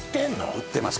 売ってます